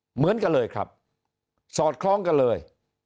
เหมือนกันเลยครับสอดคล้องกันเลย